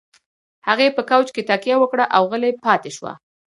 هغې په کاوچ کې تکيه وکړه او غلې پاتې شوه.